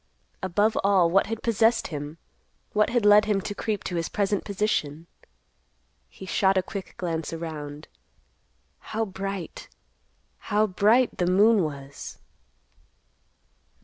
Above all, what had possessed him—what had led him to creep to his present position? He shot a quick glance around. How bright—how bright the moon was!